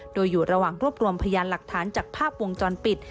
โดยอยู่ระหว่างรวบรวมพยานหลักฐานจากภาพวงจรปิด